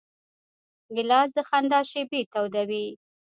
ګیلاس د خندا شېبې تودوي.